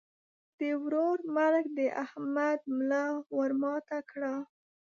د ورور مرګ د احمد ملا ور ماته کړه.